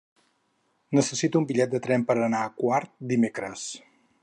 Necessito un bitllet de tren per anar a Quart dimecres.